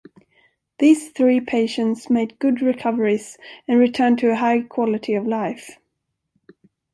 These three patients made good recoveries and returned to a high quality of life.